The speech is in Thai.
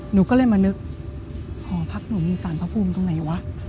หนูก็เลยมานึกหอพักหนูมีสารพระภูมิตรงไหนวะ